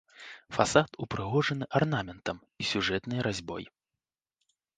Фасад упрыгожаны арнаментам і сюжэтнай разьбой.